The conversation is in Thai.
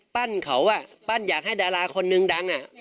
ปั้นเขาอ่ะปั้นอยากให้ดาราคนนึงดัง